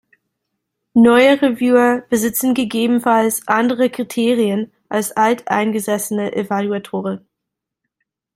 Neue Reviewer besitzen gegebenenfalls andere Kriterien als alteingesessene Evaluatoren.